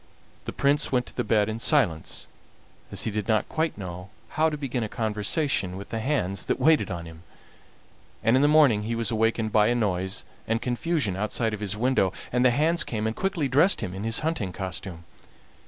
The Prince went to bed in silence, as he did not quite know how to begin a conversation with the hands that waited on him, and in the morning he was awakened by a noise and confusion outside of his window, and the hands came and quickly dressed him in hunting costume.